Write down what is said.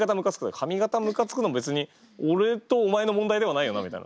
髪形むかつくの別に俺とお前の問題ではないよなみたいな。